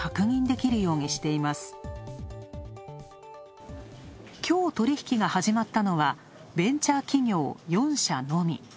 きょう取引が始まったのはベンチャー企業４社のみ。